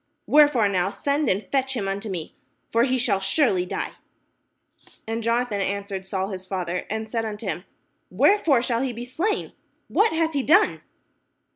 Wherefore now send and fetch him unto me, for he shall surely die." And Jonathan answered Saul his father, and said unto him: "Wherefore shall he be slain? what hath he done?"